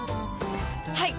はい！